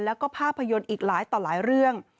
แล้วก็ภาพยนตร์อีกหลายต่อหลายเรื่อง